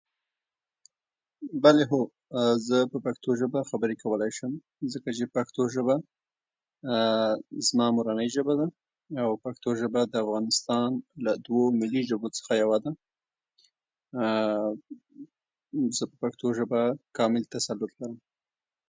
د ټپو، غزل، او سندرو مينوال په پښتنو کې دي